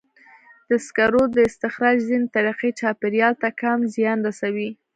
د سکرو د استخراج ځینې طریقې چاپېریال ته کم زیان رسوي.